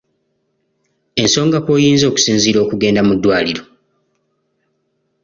Ensonga kw’oyinza okusinziira okugenda mu ddwaliro.